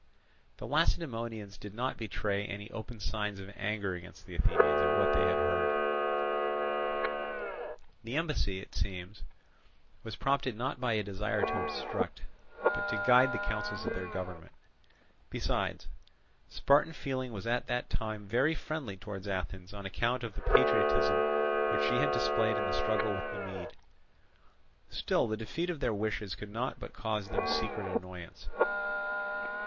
The Lacedaemonians did not betray any open signs of anger against the Athenians at what they heard. The embassy, it seems, was prompted not by a desire to obstruct, but to guide the counsels of their government: besides, Spartan feeling was at that time very friendly towards Athens on account of the patriotism which she had displayed in the struggle with the Mede. Still the defeat of their wishes could not but cause them secret annoyance.